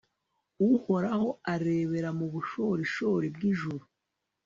uhoraho arebera mu bushorishori bw'ijuru